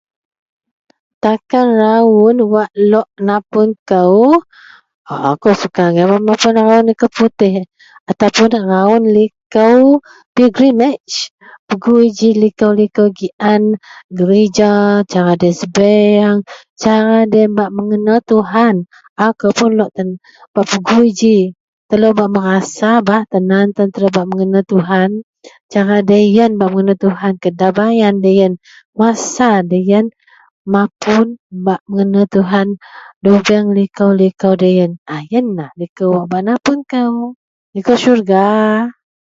Takan raun wak lo napun kou aku suka mapun likou putih raun likou green nich mapun gereja cara lo yian sebiang cara bak mengenal tuhan telo pegui ji telo ba merasa bah tan an tan telo bak mengenal tuhan dan kedamaian cara lo yian lubeng likou-likou lo yian likou surga.